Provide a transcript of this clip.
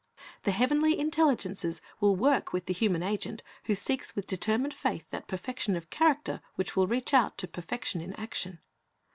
The heavenly intelligences will work with the human agent who seeks with determined faith that perfection of character which will reach out to perfection in action.